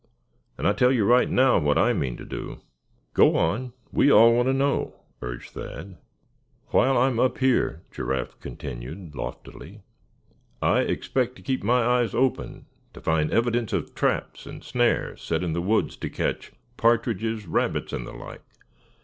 And I tell you right now what I mean to do." "Go on, we all want to know," urged Thad. "While I'm up here," Giraffe continued, loftily, "I expect to keep my eyes open to find evidences of traps and snares set in the woods to catch partridges, rabbits and the like.